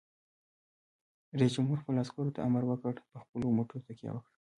رئیس جمهور خپلو عسکرو ته امر وکړ؛ په خپلو مټو تکیه وکړئ!